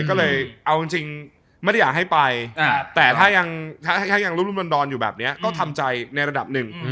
ก็เลยเอาจริงไม่ได้อยากให้ไปแต่ถ้ายังรุ่มดอนอยู่แบบนี้ก็ทำใจในระดับหนึ่ง